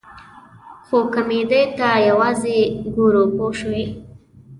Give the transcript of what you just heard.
خو کمیډۍ ته یوازې ګورو پوه شوې!.